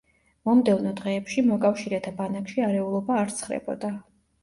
მომდევნო დღეებში, მოკავშირეთა ბანაკში არეულობა არ ცხრებოდა.